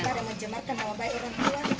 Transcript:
oh sama sama mau